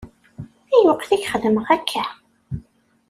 Ayweq i k-xedmeɣ kra?